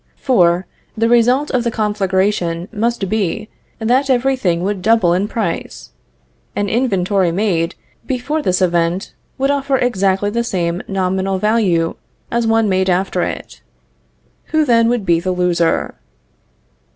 For, the result of the conflagration must be, that every thing would double in price. An inventory made before this event would offer exactly the same nominal value, as one made after it. Who then would be the loser?